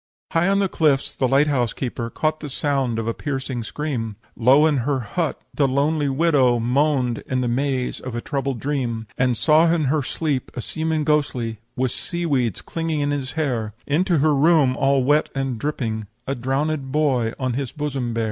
"High on the cliffs the light house keeper Caught the sound of a piercing scream; Low in her hut the lonely widow Moaned in the maze of a troubled dream; "And saw in her sleep a seaman ghostly, With sea weeds clinging in his hair, Into her room, all wet and dripping, A drownéd boy on his bosom bear.